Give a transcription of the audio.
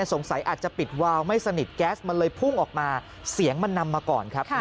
สงสัยอาจจะปิดวาวไม่สนิทแก๊สมันเลยพุ่งออกมาเสียงมันนำมาก่อนครับ